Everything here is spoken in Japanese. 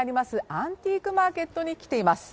アンティークマーケットに来ています。